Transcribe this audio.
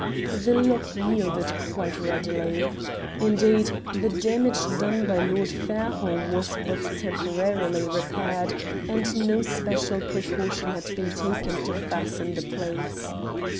The lock yielded quite readily. Indeed, the damage done by Lord Fairholme was but temporarily repaired, and no special precaution had been taken to fasten the place.